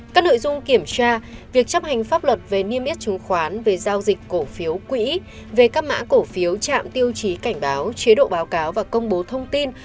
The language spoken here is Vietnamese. các nội dung kiểm tra việc chấp hành pháp luật về niêm yết chứng khoán về giao dịch cổ phiếu quỹ về các mã cổ phiếu trạm tiêu chí cảnh báo chế độ báo cáo và công bố thông tin